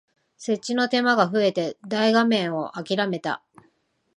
設置の手間が増えて大画面をあきらめた